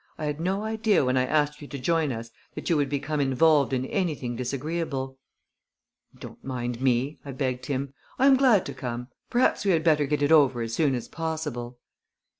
I had no idea when I asked you to join us that you would become involved in anything disagreeable." "Don't mind me," I begged him. "I am glad to come. Perhaps we had better get it over as soon as possible."